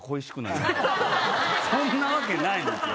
そんなわけないんですよ。